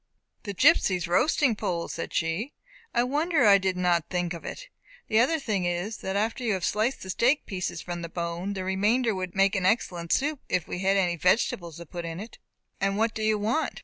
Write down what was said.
"The gipsies' roasting pole!" said she; "I wonder I did not think of it. The other thing is, that after you have sliced the steak pieces from the bone, the remainder would make an excellent soup, if we had any vegetables to put with it." "And what do you want?"